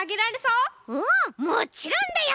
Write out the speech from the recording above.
うんもちろんだよ！